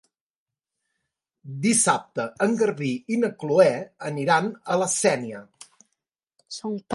Dissabte en Garbí i na Chloé aniran a la Sénia.